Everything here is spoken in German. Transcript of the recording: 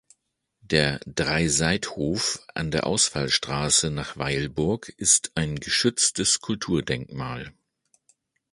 Der Dreiseithof an der Ausfallstraße nach Weilburg ist ein geschütztes Kulturdenkmal.